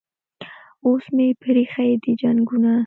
اوس مې پریښي دي جنګونه